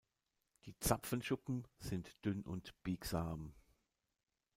Die Zapfenschuppen sind dünn und biegsam.